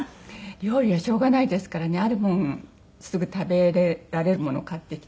料理はしょうがないですからねあるものすぐ食べられるものを買ってきて。